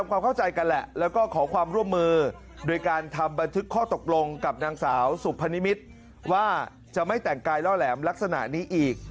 ว่าจะไม่แต่งกายล่อแหลมลักษณะนี้อีก